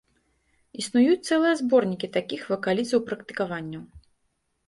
Існуюць цэлыя зборнікі такіх вакалізаў-практыкаванняў.